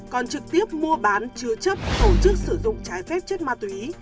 còn trực tiếp mua bán chứa chấp tổ chức sử dụng trái phép chất ma túy